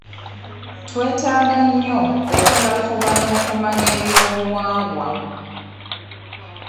Twetaaga nnyo okulafuubana okumanya eby'obuwangwa.